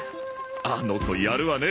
あの子やるわね！